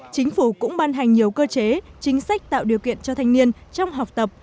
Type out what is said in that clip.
chính phủ cũng ban hành nhiều cơ chế chính sách tạo điều kiện cho thanh niên trong học tập